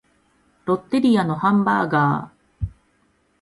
ロッテリアのハンバーガー